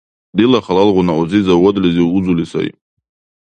Дила халалгъуна узи заводлизив узули сай